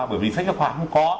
bởi vì sách giáo khoa không có